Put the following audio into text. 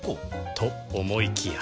と思いきや